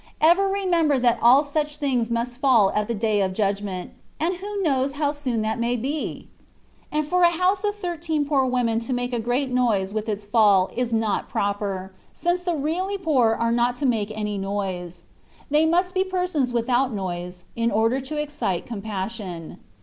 Ever remember that all such places must fall at the day of judgment ; and who knows how soon that may be ? And for a house of thirteen poor women to make a great noise with its fall is not proper, since the really poor are not to make any noise. They must be persons without noise, in order to excite compassion.